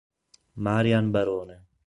Marian Barone